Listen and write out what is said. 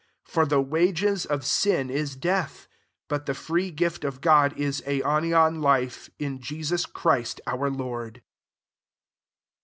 23 For the wages sin is death ; but the free ift of God is aionian life, b Jesus Christ our Lord.